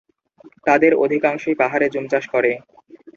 তাদের অধিকাংশই পাহাড়ে জুম চাষ করে।